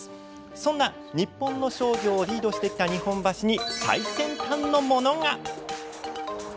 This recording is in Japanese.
そんな日本の商業をリードしてきた日本橋に最先端のものが。